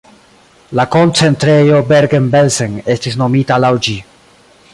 La koncentrejo Bergen-Belsen estis nomita laŭ ĝi.